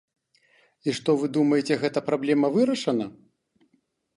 І што вы думаеце, гэта праблема вырашана?